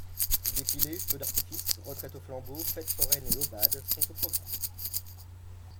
Défilé, feu d'artifice, retraite aux flambeaux, fête foraine et aubades sont au programme.